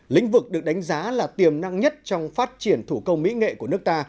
lĩnh vực được đánh giá là tiềm năng nhất trong phát triển thủ công mỹ nghệ của nước ta